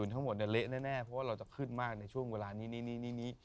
แน่เพราะว่าเราจะขึ้นมากในช่วงเวลานี้